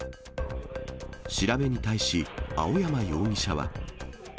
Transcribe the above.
調べに対し、青山容疑者は。